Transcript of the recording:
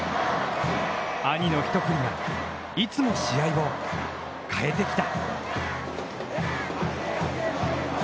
兄の一振りが、いつも試合を変えてきた。